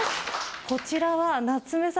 こちらは。